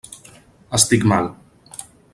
Estic mal!